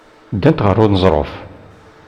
Ddant ɣer uneẓruf.